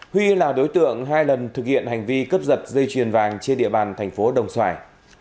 huy là đối tượng hai lần thực hiện hành vi cướp giật dây chuyền vàng trên địa bàn thành phố đồng xoài